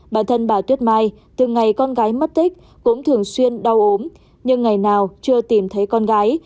bản thân bà tuyết mai từ ngày con gái mất tích cũng thường xuyên đau ốm nhưng ngày nào chưa tìm thấy con gái